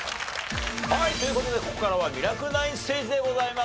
はいという事でここからは『ミラクル９』ステージでございます。